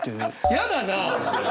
やだな。